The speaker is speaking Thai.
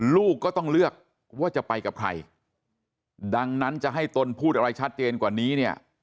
ลูกก็ต้องเลือกว่าจะไปกับใครดังนั้นจะให้ตนพูดอะไรชัดเจนกว่านี้เนี่ย